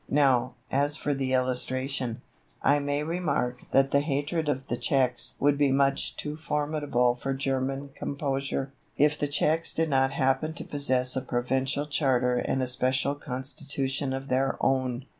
Now, as for the illustration, I may remark that the hatred of the Czechs would be much too formidable for German composure, if the Czechs did not happen to possess a provincial charter and a special constitution of their own.